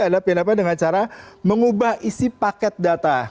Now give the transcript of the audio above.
adalah dengan cara mengubah isi paket data